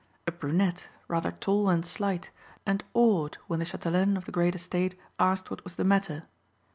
A brunette, rather tall and slight, and awed when the chatelaine of the great estate asked what was the matter.